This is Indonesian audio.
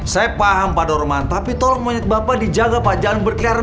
saya paham pak dorman tapi tolong monyet bapak dijaga pak jangan berkeliaran